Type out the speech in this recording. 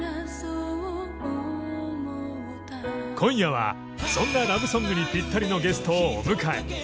今夜はそんなラブソングにぴったりのゲストをお迎え。